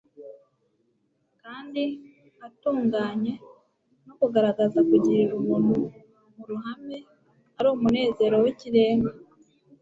kandi atunganye no kugaragaza kugirira ubuntu mu ruhame, ari umunezero w'ikirenga.